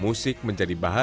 musik menjadi bahan